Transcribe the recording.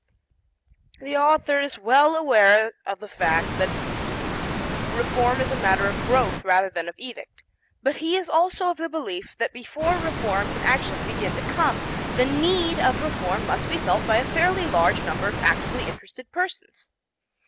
The author is well aware of the fact that reform is a matter of growth rather than of edict, but he is also of the belief that before reform can actually begin to come, the need of reform must be felt by a fairly large number of actively interested persons.